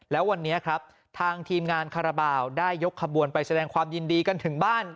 แล้ววันนี้ครับทางทีมงานคาราบาลได้ยกขบวนไปแสดงความยินดีกันถึงบ้าน